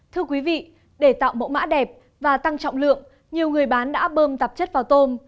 thưa quý vị để tạo mẫu mã đẹp và tăng trọng lượng nhiều người bán đã bơm tạp chất vào tôm